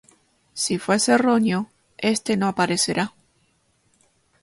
Si fuese erróneo, este no aparecerá.